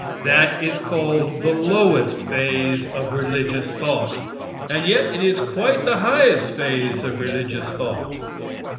That is called the lowest phase of religious thought, and yet it is quite the highest phase of religious thought.